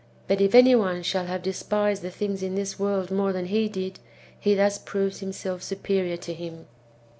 But if any one shall have despised the things in this world more than he did, he thus proves himself superior to him.